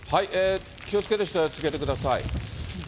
気をつけて取材を続けてください。